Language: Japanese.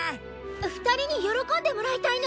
２人に喜んでもらいたいの！